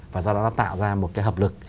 và do đó nó tạo ra một cái hợp lực